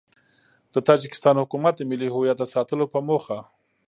د تاجیکستان حکومت د ملي هویت د ساتلو په موخه